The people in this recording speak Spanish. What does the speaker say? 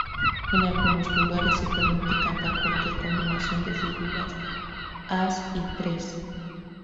En algunos lugares, se permite cantar cualquier combinación de figuras, as y tres.